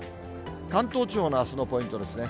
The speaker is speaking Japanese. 関東地方のあすのポイントですね。